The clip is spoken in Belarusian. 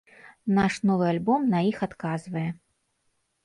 Наш новы альбом на іх адказвае.